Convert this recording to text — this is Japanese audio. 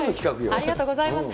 ありがとうございます。